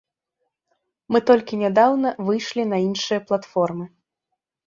Мы толькі нядаўна выйшлі на іншыя платформы.